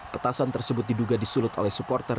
petasan tersebut diduga disulut oleh supporter